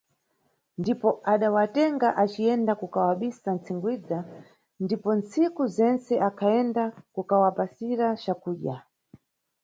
Ndipo adawatenga aciyenda kukawabisa m`cigwindza, ndipo ntsiku zentse akhayenda kukawapasira cakudya.